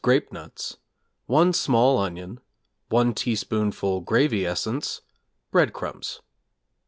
'Grape Nuts,' 1 small onion, 1 teaspoonful gravy essence, breadcrumbs.